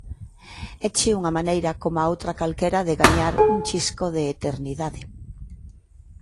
Éche unha maneira coma outra calquera de gañar un chisco de eternidade.